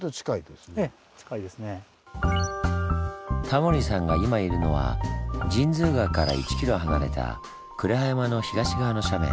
タモリさんが今いるのは神通川から１ｋｍ離れた呉羽山の東側の斜面。